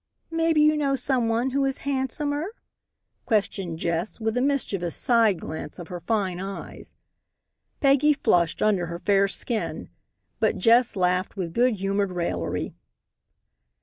"Maybe you know some one who is handsomer?" questioned Jess with a mischievous side glance of her fine eyes. Peggy flushed under her fair skin. But Jess laughed with good humored raillery.